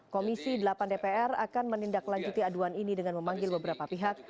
komisi delapan dpr akan menindaklanjuti aduan ini dengan memanggil beberapa pihak